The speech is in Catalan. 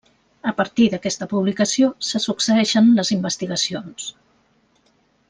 A partir d'aquesta publicació se succeeixen les investigacions.